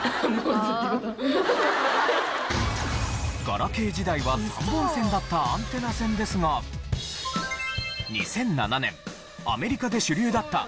ガラケー時代は３本線だったアンテナ線ですが２００７年アメリカで主流だった